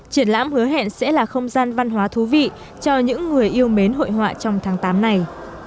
triển lãm hứa hẹn sẽ là không gian văn hóa thú vị cho những người yêu mến hội họa trong tháng tám này